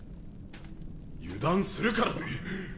油断するからだ。